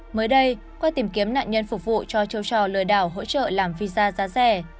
mới đây qua tìm kiếm nạn nhân phục vụ cho chiêu trò lừa đảo hỗ trợ làm visa giá rẻ